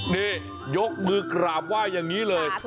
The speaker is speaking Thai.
นี่ยกมือกราบไหว้อย่างนี้เลย